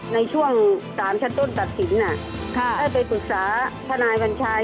ในช่วงสารชั้นต้นตัดสินได้ไปปรึกษาทนายกัญชัย